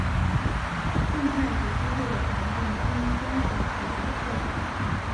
宋太祖之后的皇帝均遵守此国策。